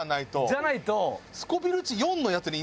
じゃないと。